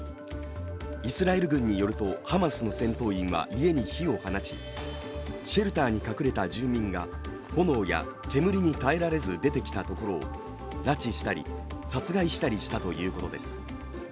イスラエル軍によるとハマスの戦闘員は家に火を放ちシェルターに隠れた住民が炎や煙に耐えられず出てきたところ、拉致したり殺害したりしたということです。